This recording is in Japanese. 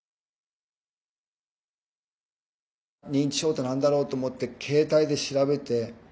認知症って何だろうと思って携帯で調べて。